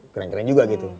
keren keren juga gitu